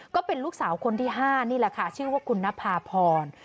ก็เป็นลูกสาวคนที่๕นี่แหละค่ะชื่อว่าคุณนภาพร